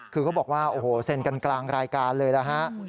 คือเขาบอกว่าโอ้โหเซ็นกันกลางรายการเลยนะฮะ